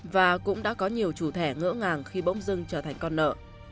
và cũng đã có nhiều chủ thẻ ngỡ ngàng khi bỗng dưng trở thành con nợ